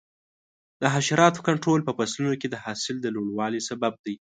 د حشراتو کنټرول په فصلونو کې د حاصل د لوړوالي سبب دی.